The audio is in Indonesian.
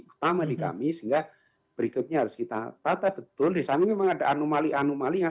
utama di kami sehingga berikutnya harus kita tata betul di samping memang ada anomali anomali yang